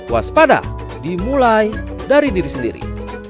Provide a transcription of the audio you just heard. waspada dimulai dari diri sendiri